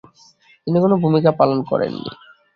তিনি কোনও ভূমিকা পালন করেননি।